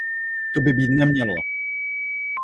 To by být nemělo!